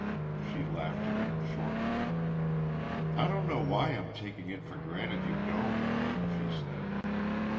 She laughed again shortly. "I don't know why I'm taking it for granted you don't," she said.